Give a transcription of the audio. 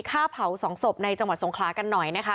ฆ่าเผาสองศพในจังหวัดสงขลากันหน่อยนะคะ